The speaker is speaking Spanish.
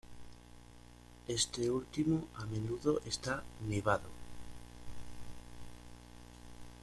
Este último a menudo está nevado.